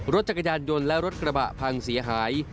รถจักรยานยนต์และรถกระบะพังเสียหาย